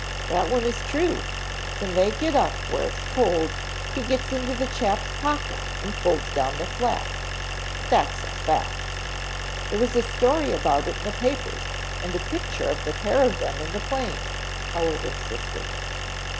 "That one is true. When they get up where it's cold, he gets into the chap's pocket and pulls down the flap. That's a fact. There was a story about it in the papers and a picture of the pair of them in the plane," Howard insisted.